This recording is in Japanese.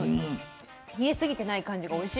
冷えすぎてない感じがおいしい。